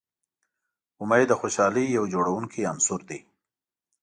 امید د خوشحالۍ یو جوړوونکی عنصر دی.